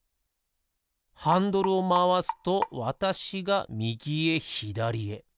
ハンドルをまわすとわたしがみぎへひだりへ。